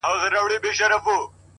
مثبت چلند د سختیو فشار کموي